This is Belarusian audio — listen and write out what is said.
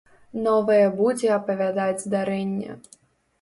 Новае будзе апавядаць здарэнне.